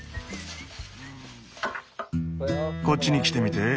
こっちに来てみて。